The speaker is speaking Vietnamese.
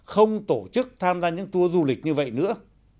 không tổ chức tham gia những tour du lịch như vậy nữa